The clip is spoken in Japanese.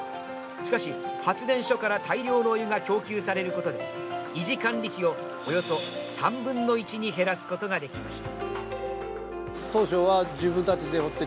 しかし、発電所から大量のお湯が供給されることで維持管理費をおよそ３分の１に減らすことができました。